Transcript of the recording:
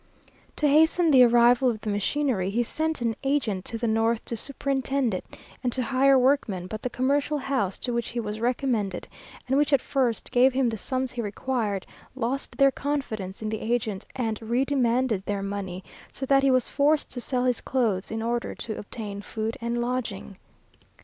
To hasten the arrival of the machinery, he sent an agent to the north to superintend it, and to hire workmen; but the commercial house to which he was recommended, and which at first gave him the sums he required, lost their confidence in the agent, and redemanded their money, so that he was forced to sell his clothes in order to obtain food and lodging.